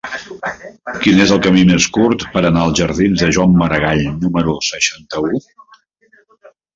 Quin és el camí més curt per anar als jardins de Joan Maragall número seixanta-u?